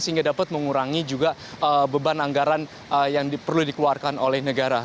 sehingga dapat mengurangi juga beban anggaran yang perlu dikeluarkan oleh negara